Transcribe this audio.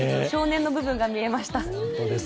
少年の部分が見えました。